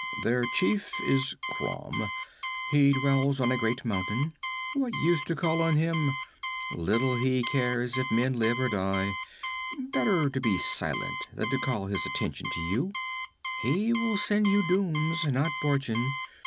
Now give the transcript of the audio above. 'Their chief is Crom. He dwells on a great mountain. What use to call on him? Little he cares if men live or die. Better to be silent than to call his attention to you; he will send you dooms, not fortune!